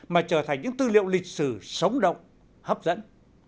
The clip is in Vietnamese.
mà trở thành những tư liệu lịch sử sống động hấp dẫn